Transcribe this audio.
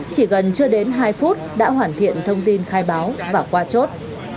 chỉ gần chưa đến hai phút đã hoàn thiện thông tin khai báo và qua chốt